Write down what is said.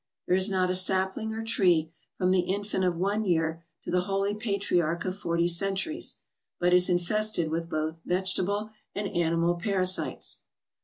There is not a sapling or tree, from the infant of one year to the holy patriarch of forty centuries, but is infested with both vegetable and ani mal parasites.